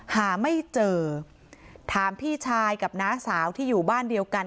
หาไม่เจอถามพี่ชายกับน้าสาวที่อยู่บ้านเดียวกัน